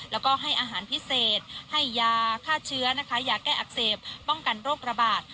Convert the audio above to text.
แล้วก็ให้อาหารพิเศษให้ยาฆ่าเชื้อนะคะยาแก้อักเสบป้องกันโรคระบาด